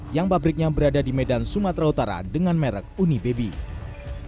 yang pabriknya berada di medan sumatera utara dengan merek uni baby